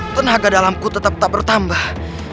tenaga dalamku tetap tak bertambah